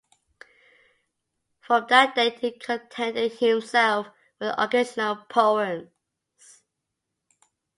From that date he contented himself with occasional poems.